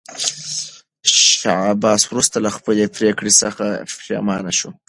شاه عباس وروسته له خپلې پرېکړې سخت پښېمانه شو.